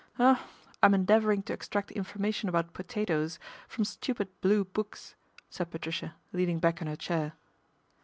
" Oh ! I'm endeavouring to extract information .bout potatoes from stupid Blue Books," said ^atricia, leaning back in her chair.